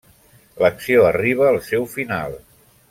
L'acció arriba al seu final.